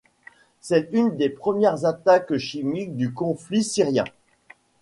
C'est une des premières attaques chimiques du conflit syrien.